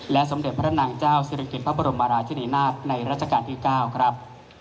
สมเด็จพระนางเจ้าศิริกิจพระบรมราชินีนาฏในราชการที่๙ครับ